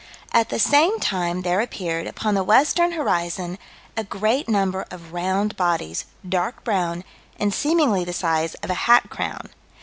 At the same time there appeared, upon the western horizon, a great number of round bodies, dark brown, and seemingly the size of a hat crown.